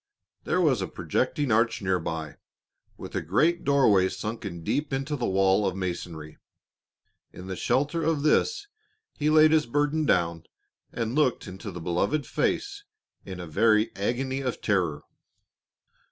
There was a projecting arch near by, with a great doorway sunken deep into the wall of masonry, in the shelter of this he laid his burden down, and looked into the beloved face in a very agony of terror.